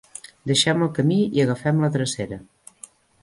Deixem el camí i agafem la drecera.